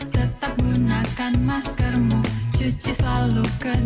tetap gunakan maskermu cuci selalu